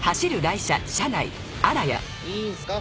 いいんすか？